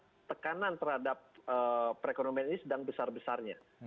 pada saat tekanan terhadap perekonomian ini sedang besar besarnya